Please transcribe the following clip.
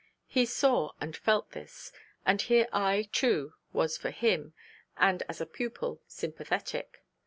He saw and felt this; and here I, too, was for him, and as a pupil, sympathetic.